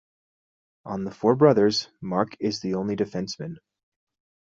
Of the four brothers, Marc is the only defenceman.